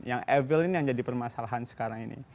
yang evil ini yang jadi permasalahan sekarang ini